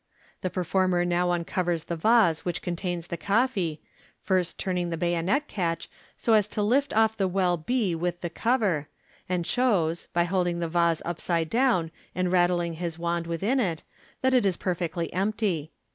The performer now uncovers the vase which contains the coffee, first turning the bayonet catch so as to lift off the well b with the cover, and shows, by holding the vase upside down and rattling his wand within it, that it is perfectly empty.